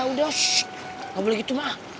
nggak boleh gitu